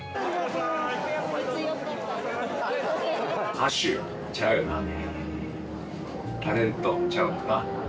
歌手ちゃうよなタレントちゃうよな